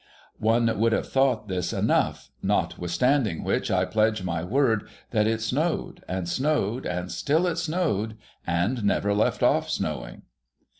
One would have thought this enough : notwithstanding which, I pledge my word that it snowed and snowed, and still it snowed, and never left off snowing.